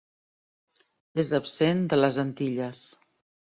És absent de les Antilles.